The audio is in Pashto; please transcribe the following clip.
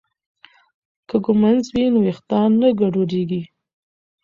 که ږمنځ وي نو ویښتان نه ګډوډیږي.